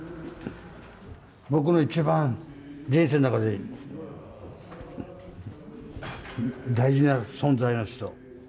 僕の一番人生の中で大事な存在の人。